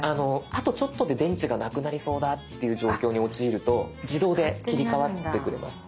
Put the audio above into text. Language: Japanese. あとちょっとで電池がなくなりそうだっていう状況に陥ると自動で切り替わってくれます。